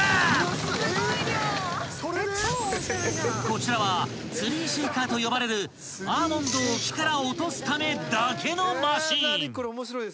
［こちらはツリーシェイカーと呼ばれるアーモンドを木から落とすためだけのマシン］